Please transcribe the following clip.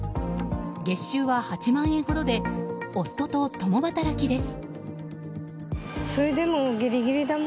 月収は８万円ほどで夫と共働きです。